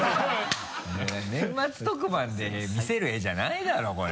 年末特番で見せる絵じゃないだろこれ。